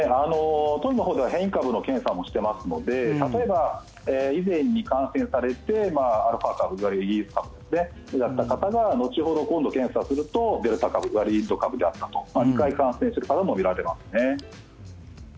当院のほうでは変異株の検査もしていますので例えば、以前に感染されてそれがイギリス株だった方が後ほど今度検査するとデルタ株であったと２回感染する方も見られますね。